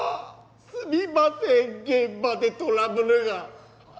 すみません現場でトラブルが。